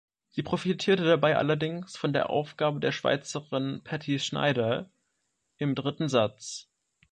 Sie profitierte dabei allerdings von der Aufgabe der Schweizerin Patty Schnyder im dritten Satz.